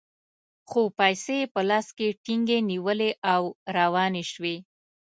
خو پیسې یې په لاس کې ټینګې ونیولې او روانې شوې.